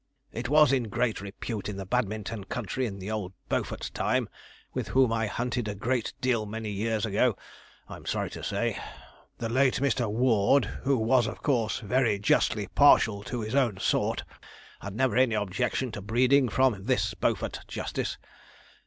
'"It was in great repute in the Badminton country in old Beaufort's time, with whom I hunted a great deal many years ago, I'm sorry to say. The late Mr. Warde, who, of course, was very justly partial to his own sort, had never any objection to breeding from this Beaufort Justice.